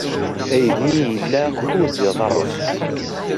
Aydi ila kuẓ n yiḍarren.